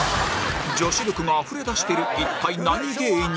女子力があふれ出してる一体何芸人？